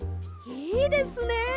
いいですね。